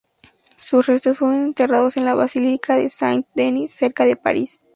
Sus restos fueron enterrados en la basílica de Saint-Denis, cerca de París.